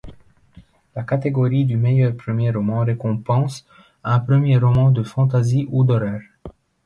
La catégorie du meilleur premier roman récompense un premier roman de fantasy ou d'horreur.